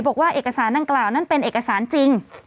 บอกว่าเอกสารดังกล่าวนั้นเป็นเอกสารจริง